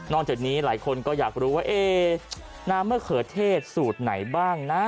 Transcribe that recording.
จากนี้หลายคนก็อยากรู้ว่าเอ๊น้ำมะเขือเทศสูตรไหนบ้างนะ